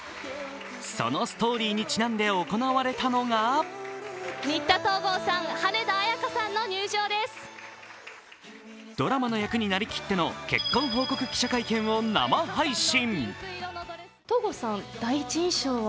そのストーリーにちなんで行われたのがドラマの役になりきっての結婚報告記者会見を生配信。